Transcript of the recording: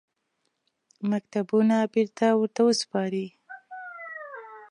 مکتوبونه بېرته ورته وسپاري.